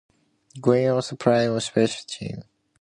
Green also played on special teams.